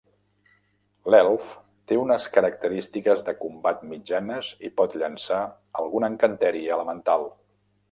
L'elf té unes característiques de combat mitjanes i pot llançar algun encanteri elemental.